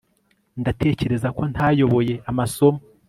Ndatekereza ko ntayoboye amasomo